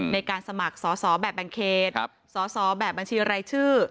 ในการสมัครสอสอแบบแบ่งเขตสอสอแบบบัญชีรายชื่อ